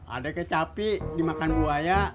ada kecapi dimakan buaya